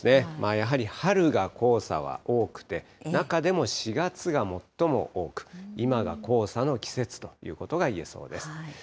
やはり春が黄砂は多くて、中でも４月が最も多く、今が黄砂の季節ということがいえそうです。